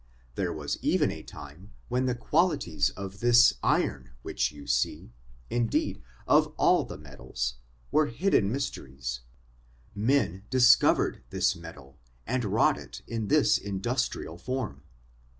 There was even a time when the qualities of this iron which you see indeed of all the metals were hidden mysteries ; men discovered this metal, and wrought it in this industrial form.